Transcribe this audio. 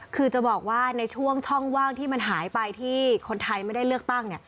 คือจะบอกว่าในช่วงช่องว่างที่มันหายไปที่คนไทยไม่ได้เลือกตั้ง